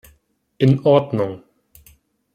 In Ordnung.